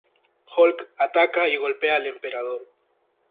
Hulk ataca y golpea al emperador.